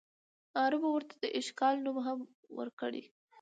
عربو ورته د ایش کال نوم هم ورکړی.